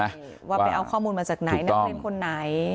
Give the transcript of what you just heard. ว่าไปเอาข้อมูลมาจากไหนนักเรียนคนไหน